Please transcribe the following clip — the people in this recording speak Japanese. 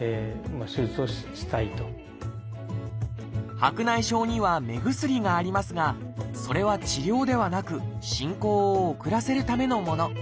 白内障には目薬がありますがそれは治療ではなく進行を遅らせるためのもの。